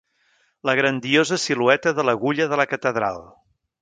La grandiosa silueta de l'agulla de la Catedral.